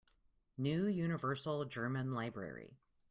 New Universal German Library.